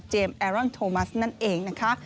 แอรอนโทมัสนั่นเองนะคะ